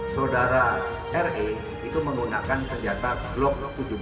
saudara re itu menggunakan senjata glock tujuh belas